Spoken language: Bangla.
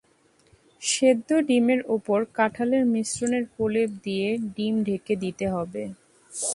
সেদ্ধ ডিমের ওপর কাঁঠালের মিশ্রণের প্রলেপ দিয়ে ডিম ঢেকে দিতে হবে।